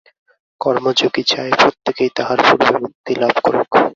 কর্মযোগী চায় প্রত্যেকেই তাহার পূর্বে মুক্তি লাভ করুক।